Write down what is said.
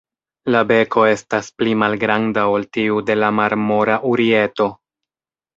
La beko estas pli malgranda ol tiu de la Marmora urieto.